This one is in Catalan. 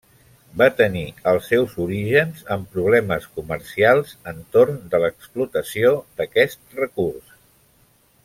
Va tenir els seus orígens en problemes comercials entorn de l'explotació d'aquest recurs.